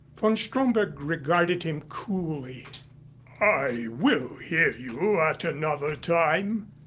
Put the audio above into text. Von Stromberg regarded him coolly. "I will hear you at another time.